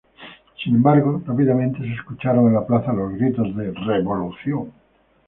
Sin embargo, rápidamente se escucharon en la plaza los gritos de "¡Revolución!